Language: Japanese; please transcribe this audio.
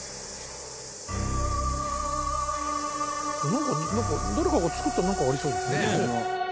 なんか誰かが作ったなんかがありそうですね。